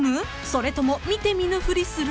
それとも見て見ぬふりする？］